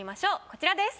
こちらです。